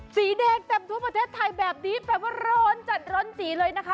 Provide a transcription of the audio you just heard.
สีแดงเต็มทั่วประเทศไทยแบบนี้แปลว่าร้อนจัดร้อนสีเลยนะคะ